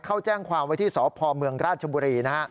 เขาแจ้งความว่าที่สพรราชบุรี